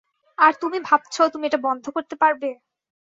আর তুমি ভাবছো, তুমি এটা বন্ধ করতে পারবে?